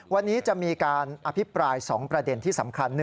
วันนี้จะมีการอภิปราย๒ประเด็นที่สำคัญ